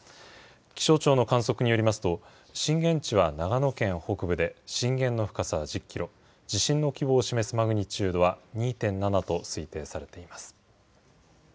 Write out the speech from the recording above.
気象庁の観測によりますと、震源地は長野県北部で、震源の深さは１０キロ、地震の規模を示すマグニチュードは２．７と推定されています。